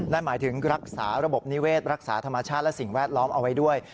นั่นหมายถึงรักษาระบบนิเวศรักษาธรรมชาติและสิ่งแวดล้อมเอาไว้ด้วย